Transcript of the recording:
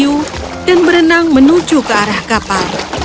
yang didiami banyak hiu dan berenang menuju ke arah kapal